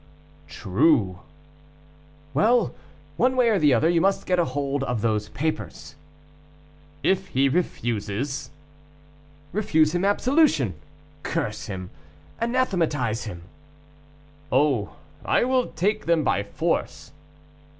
"True." "Well; one way or the other, you must get hold of those papers." "If he refuses?" "Refuse him absolution, curse him, anathematize him " "Oh, I will take them by force."